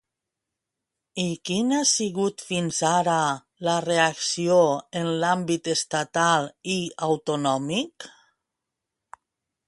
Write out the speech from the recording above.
I quina ha sigut fins ara la reacció en l'àmbit estatal i autonòmic?